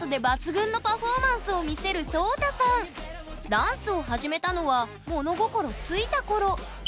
ダンスを始めたのは物心ついた頃。